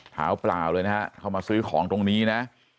หาวเปล่าเลยนะก็มาซื้อของตรงนี้นะ